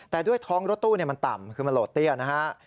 แต่ด้วยท้องรถตู้มันต่ำคือมันโหลดเตี้ยนะฮะ